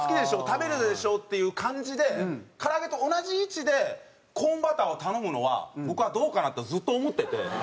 食べるでしょ？っていう感じで唐揚げと同じ位置でコーンバターを頼むのは僕はどうかな？ってずっと思ってて。